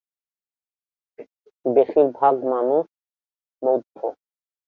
বেশীরভাগ মানুষ বৌদ্ধ।